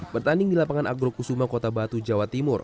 bertanding di lapangan agro kusuma kota batu jawa timur